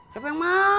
siapa yang marah